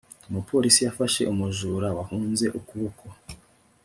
umupolisi yafashe umujura wahunze ukuboko